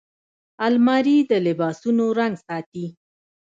الماري د لباسونو رنګ ساتي